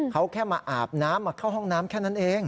เขาแค่มาอาบน้ำมาเข้าห้องน้ำแค่นั้นเอง